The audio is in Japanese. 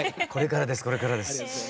これからですこれからです。